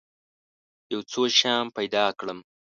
یو څو شیان پیدا کړم.